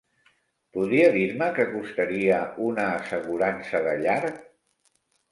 Podria dir-me que costaria una assegurança de llar?